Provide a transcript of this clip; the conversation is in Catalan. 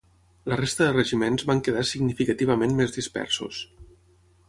La resta de regiments van quedar significativament més dispersos.